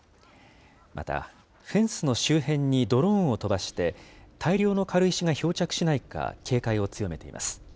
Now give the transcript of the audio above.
また、フェンスの周辺にドローンを飛ばして、大量の軽石が漂着しないか、警戒を強めています。